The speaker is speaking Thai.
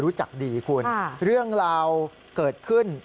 รู้จักดีคุณเรื่องราวเกิดขึ้น